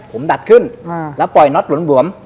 ผมดัดขึ้นแล้วปล่อยน็อตหลวม